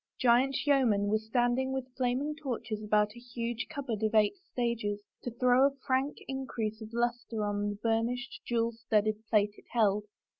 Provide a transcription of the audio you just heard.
Giant yeomen 44 A DANCE WITH A KING were standing with flaming torches about a huge cup board of eight stages, to throw a frank increase of luster on the burnished, jewel studded plate it held.